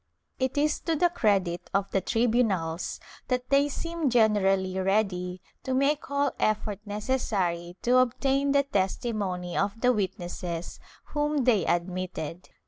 ^ It is to the credit of the tribunals that they seem generally ready to make all effort necessary to obtain the testimony of the witnesses whom they admitted.